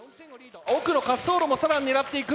奥の滑走路も更に狙っていく。